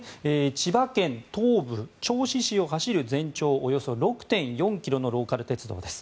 千葉県東部の銚子市を走る全長およそ６．４ｋｍのローカル鉄道です。